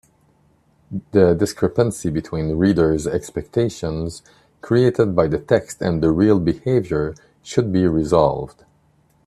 The discrepancy between reader’s expectations created by the text and the real behaviour should be resolved.